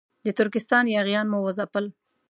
د ترکستان یاغیان مو وځپل.